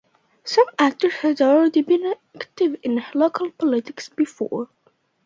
Some actors had already been active in local politics before.